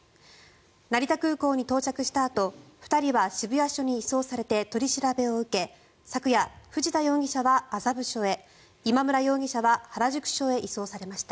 成田空港に到着したあと２人は渋谷署に移送されて取り調べを受け昨夜、藤田容疑者は麻布署へ今村容疑者は原宿署へ移送されました。